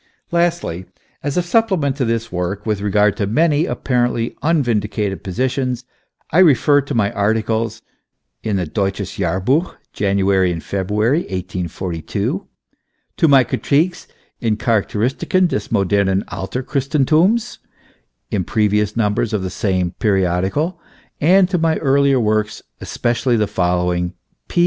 Lastly, as a supplement to this work with regard to many apparently unvindicated positions, I refer to my articles in the Deutsches Jahrluch, January and February, 1842, to my cri tiques and Charakteristiken des modernen After christenthums, in previous numbers of the same periodical, and to my earlier works, especially the following : P.